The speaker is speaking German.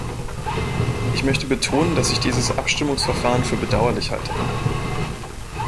Ich möchte betonen, dass ich dieses Abstimmungsverfahren für bedauerlich halte!